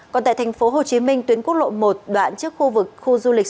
còn tại thành phố hồ chí minh tuyến quốc lộ một đoạn trước khu vực khu du lịch